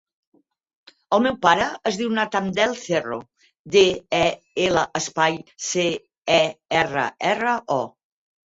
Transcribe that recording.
El meu pare es diu Nathan Del Cerro: de, e, ela, espai, ce, e, erra, erra, o.